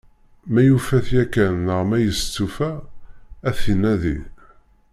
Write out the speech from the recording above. Ma yufa-t yakan neɣ ma yestufa ad t-inadi.